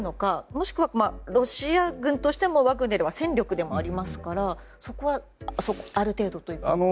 もしくは、ロシア軍としてもワグネルは戦力でもありますからそこは、ある程度といいますか。